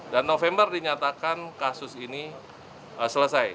dan november dinyatakan kasus ini selesai